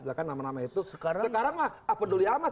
sekarang mah apa dulu ya amat